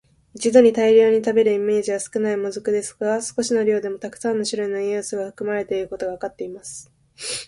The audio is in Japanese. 一度に大量に食べるイメージは少ない「もずく」ですが、少しの量でもたくさんの種類の栄養素が含まれていることがわかっています。